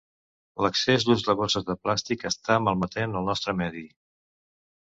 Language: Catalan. L'excés d'ús de bosses de plàstic està malmetent el nostre medi.